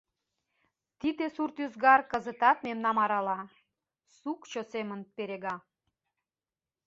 — Тиде сурт ӱзгар кызытат мемнам арала, сукчо семын перега.